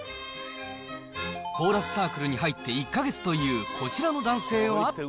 コーラスサークルに入って１か月というこちらの男性は。